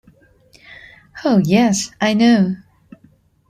Ah, yes, I know.